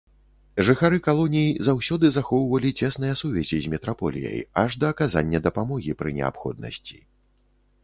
Жыхары калоній заўсёды захоўвалі цесныя сувязі з метраполіяй, аж да аказання дапамогі пры неабходнасці.